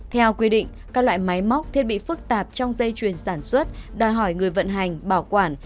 theo quy định các loại máy móc thiết bị phức tạp trong dây chuyền sản xuất đòi hỏi người vận hành bảo quản